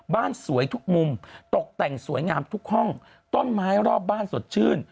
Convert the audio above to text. สวยทุกมุมตกแต่งสวยงามทุกห้องต้นไม้รอบบ้านสดชื่น